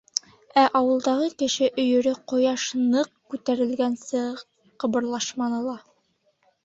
— Ә ауылдағы кеше өйөрө ҡояш ны-ыҡ күтәрелгәнсе ҡыбырлашманы ла.